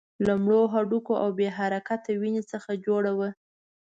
له مړو هډونو او بې حرکته وينې څخه جوړه وه.